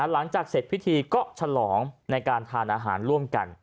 หลังจากเสร็จพิธีก็ฉลองในการทานอาหารร่วมกัน